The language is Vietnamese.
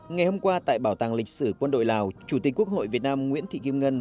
ngày hôm qua tại bảo tàng lịch sử quân đội lào chủ tịch quốc hội việt nam nguyễn thị kim ngân